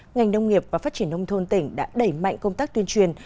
ngành nông nghiệp và phát triển nông thôn tỉnh đã đẩy mạnh công tác tuyên truyền